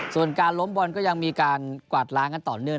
ส่วนการล้มบอลก็ยังมีการกวาดล้างกันต่อเนื่อง